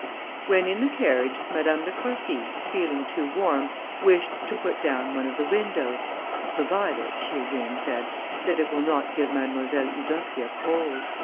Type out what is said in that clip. When in the carriage, Madame de Croissy, feeling too warm, wished to put down one of the windows, "provided," she again said, "that it will not give Mademoiselle Eudoxia cold."